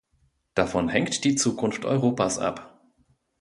Davon hängt die Zukunft Europas ab.